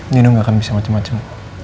nenek gak akan bisa macem macem